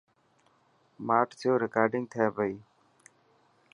ماٺ ٿيو رڪارڊنگ ٿي پئي.